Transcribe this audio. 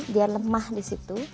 dia lemah disitu